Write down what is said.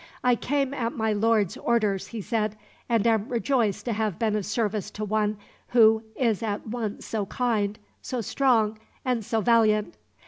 "I came at my lord's orders," he said; "and am rejoiced to have been of service to one who is at once so kind, so strong, and so valiant."